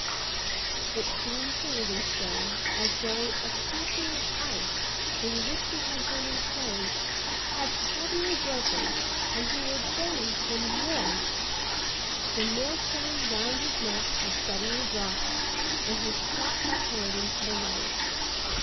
It seemed to Livingstone as though a casing of ice in which he had been enclosed had suddenly broken and he were bathed in warmth. The millstone round his neck had suddenly dropped and he shot upward into the light.